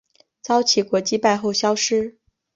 遭齐国击败后消失。